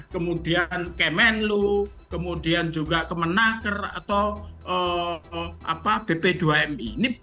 kemudian kemenlu kemudian juga kemenaker atau bp dua mi